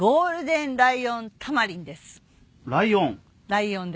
ライオン？